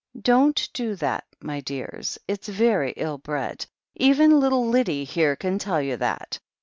"Don't do that, my dears, it's very ill bred. Even little Lyddie here can tell you that.